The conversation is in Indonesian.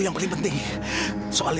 yang paling penting dia itu gak bisa